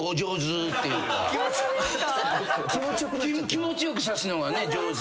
気持ちよくさすのがね上手。